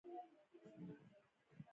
ریښه یې د ډیوکلتین حکومت مودې ته ور رسېږي